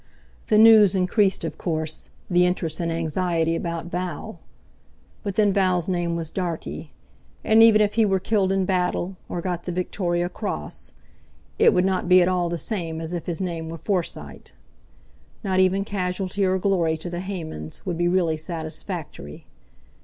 The news increased, of course, the interest and anxiety about Val; but then Val's name was Dartie, and even if he were killed in battle or got the Victoria Cross, it would not be at all the same as if his name were Forsyte. Not even casualty or glory to the Haymans would be really satisfactory.